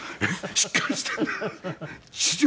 しっかりしてるな。